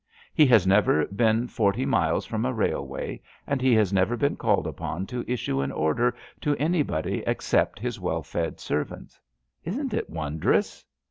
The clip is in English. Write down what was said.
He has never been forty miles from a railway, and he has never been called upon to issue an order to anybody except his well fed servants. Isn't it wondrous?